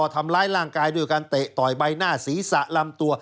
ทำร้ายร่างกายด้วยการเตะต่อยใบหน้าศีรษะลำตัว